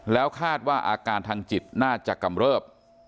แล้วคาดว่าอาการทางจิตน่าจะกำเริบ